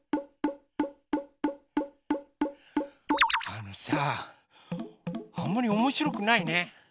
あのさああんまりおもしろくないね。